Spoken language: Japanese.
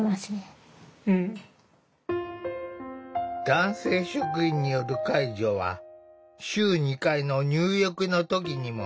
男性職員による介助は週２回の入浴の時にも。